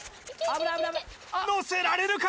のせられるか！？